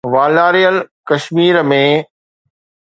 والاريل ڪشمير ۾